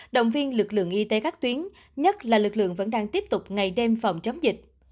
động viên lực lượng y tế các tuyến nhất là lực lượng vẫn đang tiếp tục ngày đêm phòng chống dịch